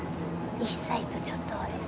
１歳とちょっとです。